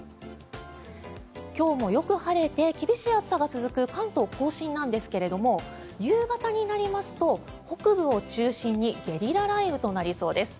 今日もよく晴れて厳しい暑さが続く関東・甲信なんですが夕方になりますと北部を中心にゲリラ雷雨となりそうです。